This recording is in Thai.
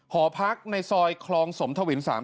หอพักในซอยคลองสมทวิน๓๐